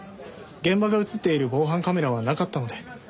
現場が映っている防犯カメラはなかったので。